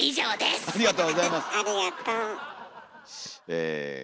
ありがと。